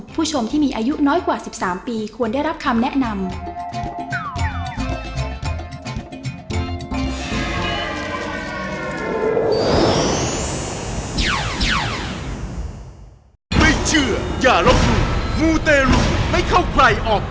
ผู้ชมที่มีอายุน้อยกว่า๑๓ปีควรได้รับคำแนะนำ